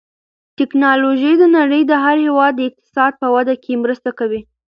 تکنالوژي د نړۍ د هر هېواد د اقتصاد په وده کې مرسته کوي.